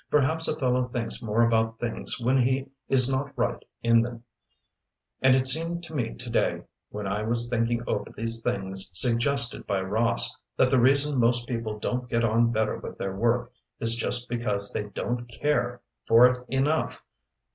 Perhaps a fellow thinks more about things when he is not right in them, and it seemed to me to day, when I was thinking over these things suggested by Ross, that the reason most people don't get on better with their work is just because they don't care for it enough.